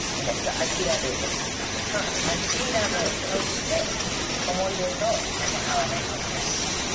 諦めです諦めそして思い出と闘わないことです